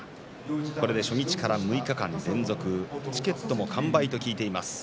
これで初日から６日間連続そしてチケットも完売と聞いています。